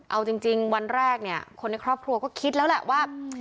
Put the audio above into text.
เอาจริงวันแรกเนี่ยคนในครอบครัวก็คิดแล้วแหละว่า